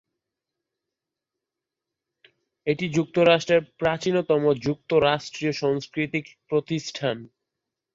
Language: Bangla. এটি যুক্তরাষ্ট্রের প্রাচীনতম যুক্তরাষ্ট্রীয় সাংস্কৃতিক প্রতিষ্ঠান।